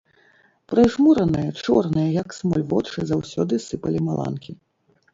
Прыжмураныя, чорныя, як смоль, вочы заўсёды сыпалі маланкі.